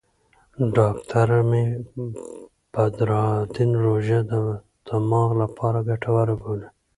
ډاکټره مي بدرالدین روژه د دماغ لپاره ګټوره بولي.